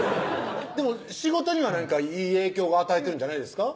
でも仕事にはいい影響が与えてるんじゃないですか？